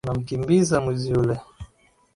Wanamkimbiza mwizi yule